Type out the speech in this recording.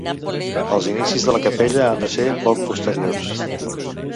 Els inicis de la capella han de ser poc posteriors.